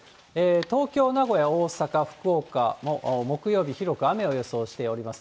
東京、名古屋、大阪、福岡も木曜日、広く雨を予想しております。